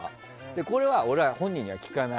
これは俺は本人には聞かない。